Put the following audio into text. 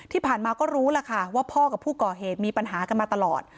ที่ผ่านมาก็รู้ล่ะค่ะว่าพ่อกับผู้ก่อเหตุมีปัญหากันมาตลอด